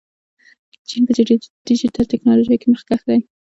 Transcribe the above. چین په ډیجیټل تکنالوژۍ کې مخکښ دی.